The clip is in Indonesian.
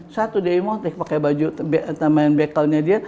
satu dewi emotik pake baju tambahan bekalnya dia